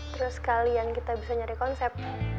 terus sekalian kita bisa nyari konsep